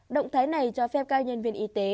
động thái này cho phép các nhân viên y tế